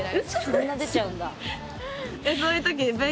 そんな出ちゃうんだ。